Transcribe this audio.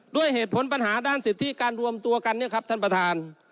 ด้วยเหตุผลปัญหาด้านสิทธิการรวมตัวกัน